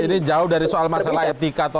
ini jauh dari soal masalah etika